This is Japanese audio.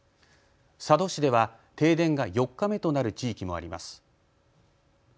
佐渡市では停電が４日目となる地域もあります。